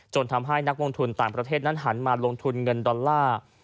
ทำให้นักลงทุนต่างประเทศนั้นหันมาลงทุนเงินดอลลาร์